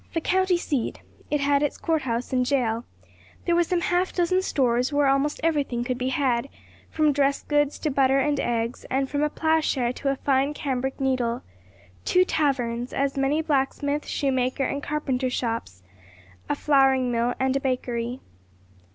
The county seat, it had its court house and jail; there were some half dozen stores where almost everything could be had, from dress goods to butter and eggs, and from a plowshare to a fine cambric needle; two taverns, as many blacksmith, shoemaker, and carpenter shops, a flouring mill and a bakery.